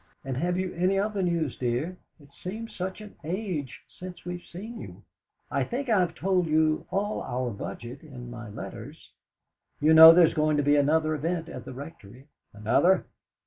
"And have you any other news, dear? It seems such an age since we've seen you. I think I've told you all our budget in my letters. You know there's going to be another event at the Rectory?" "Another?